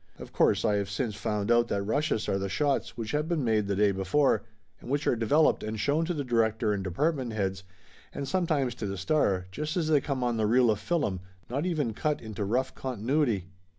Of course I have since found out that rushes are the shots which have been made the day before, and which are developed and shown to the director and department heads and sometimes to the star, just as they come on the reel of fillum, not even cut into rough continuity.